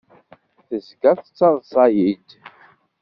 Tezga tettaḍṣa-iyi-d.